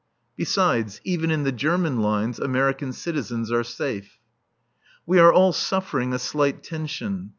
Besides, even in the German lines American citizens are safe. We are all suffering a slight tension.